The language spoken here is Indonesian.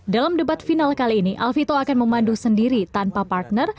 dalam debat final kali ini alvito akan memandu sendiri tanpa partner